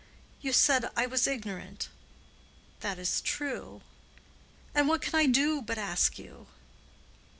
You said I was ignorant. That is true. And what can I do but ask you?"